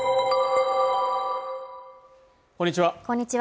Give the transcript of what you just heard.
こんにちは